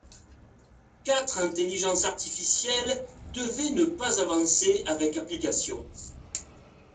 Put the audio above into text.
Quatre intelligences artificielles devaient ne pas avancer avec application.